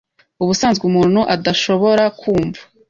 ubusanzwe umuntu adashobora kumva,